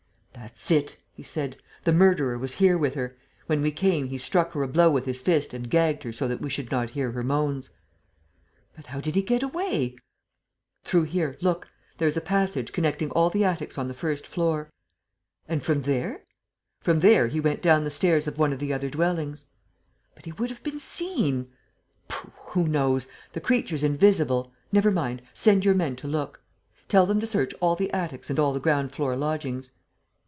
"That's it," he said. "The murderer was here with her. When we came, he struck her a blow with his fist and gagged her so that we should not hear her moans." "But how did he get away?" "Through here ... look ... there is a passage connecting all the attics on the first floor." "And from there?" "From there, he went down the stairs of one of the other dwellings." "But he would have been seen!" "Pooh, who knows? The creature's invisible. Never mind! Send your men to look. Tell them to search all the attics and all the ground floor lodgings."